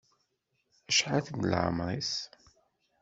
Acḥal deg leɛmer-is?